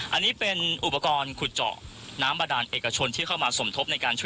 อันนี้เป็นอุปกรณ์ขุดเจาะน้ำบาดานเอกชนที่เข้ามาสมทบในการช่วย